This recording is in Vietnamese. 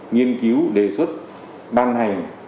nghiên cứu đề xuất ban hành